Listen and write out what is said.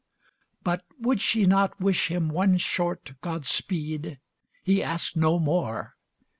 But would she not wish him one short "Godspeed", He asked no more.